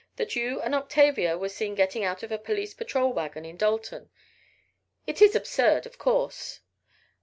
That you and Octavia were seen getting out of a police patrol wagon in Dalton. It is absurd, of course."